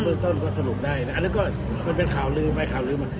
เบิ้มต้นก็สนุกได้อันนี้ก็มันเป็นข่าวลืมไปข่าวลืมมา